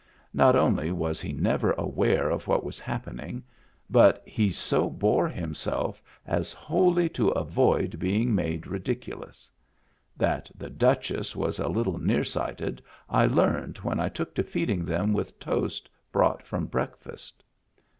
Not only was he never aware of what was happening, but he so bore himself as wholly to avoid being made ridiculous. That the Duchess was a little near sighted I learned when I took to feeding them with toast brought from breakfast.